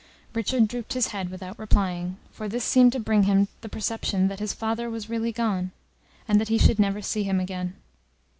Richard drooped his head without replying, for this seemed to bring to him the perception that his father was really gone, and that he should never see him again.